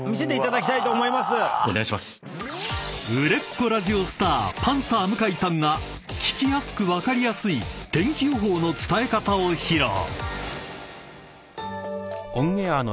［売れっ子ラジオスターパンサー向井さんが聴きやすく分かりやすい天気予報の伝え方を披露］